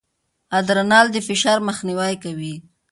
ادرانال د فشار مخنیوی کوي.